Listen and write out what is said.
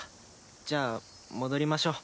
じゃあ戻りましょう。